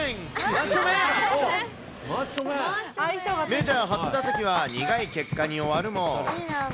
メジャー初打席は、苦い結果に終わるも。